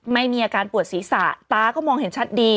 ไม่มีอาการปวดศีรษะตาก็มองเห็นชัดดี